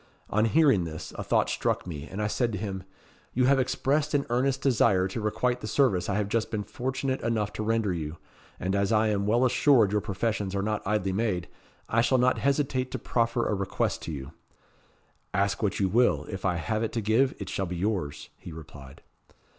On hearing this, a thought struck me, and I said to him 'You have expressed an earnest desire to requite the service I have just been fortunate enough to render you, and as I am well assured your professions are not idly made, I shall not hesitate to proffer a request to you.' 'Ask what you will; if I have it to give, it shall be yours,' he replied.